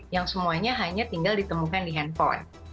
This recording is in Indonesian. yang semuanya hanya tinggal ditemukan di handphone